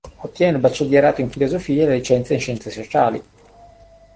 Ottiene il baccellierato in Filosofia e la licenza in Scienze Sociali.